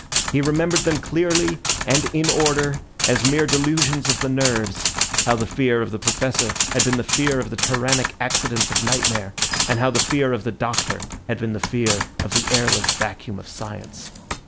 He remembered them clearly and in order as mere delusions of the nerves—how the fear of the Professor had been the fear of the tyrannic accidents of nightmare, and how the fear of the Doctor had been the fear of the airless vacuum of science.